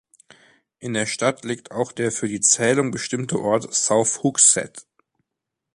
In der Stadt liegt auch der für die Zählung bestimmte Ort South Hooksett.